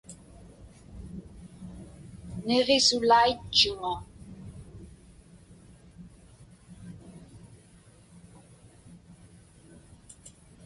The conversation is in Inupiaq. Niġisulaitchuŋa.